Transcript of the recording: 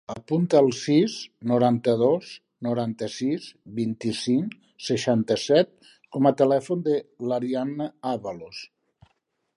Apunta el sis, noranta-dos, noranta-sis, vint-i-cinc, seixanta-set com a telèfon de l'Arianna Avalos.